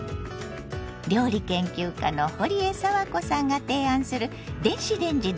料理研究家のほりえさわこさんが提案する電子レンジ料理。